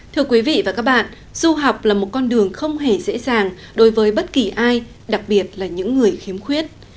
thưa quý vị và các bạn du học là một con đường không hề dễ dàng đối với bất kỳ ai đặc biệt là những người khiếm khuyết